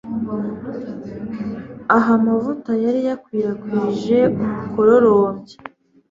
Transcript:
aho amavuta yari yakwirakwije umukororombya